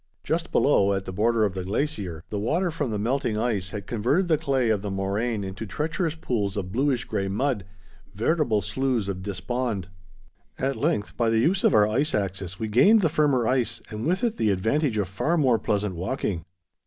Just below, at the border of the glacier, the water from the melting ice had converted the clay of the moraine into treacherous pools of bluish gray mud, veritable sloughs of despond. At length, by the use of our ice axes, we gained the firmer ice and with it the advantage of far more pleasant walking.